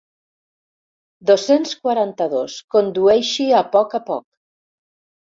Dos-cents quaranta-dos condueixi a poc a poc.